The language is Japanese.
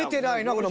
これ。